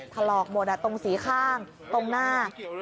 ถลอกหมดตรงสีข้างตรงหน้า